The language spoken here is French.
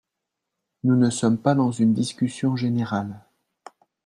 Nous ne sommes pas dans une discussion générale